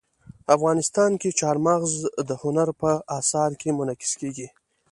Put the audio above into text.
افغانستان کې چار مغز د هنر په اثار کې منعکس کېږي.